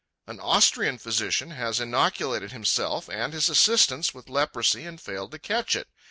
An Austrian physician has inoculated himself and his assistants with leprosy and failed to catch it.